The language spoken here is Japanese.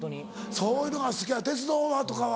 そういうのが好きか鉄道とかは？